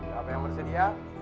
siapa yang bersedia